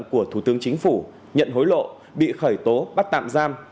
của thủ tướng chính phủ nhận hối lộ bị khởi tố bắt tạm giam